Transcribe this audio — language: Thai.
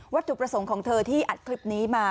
ถูกประสงค์ของเธอที่อัดคลิปนี้มา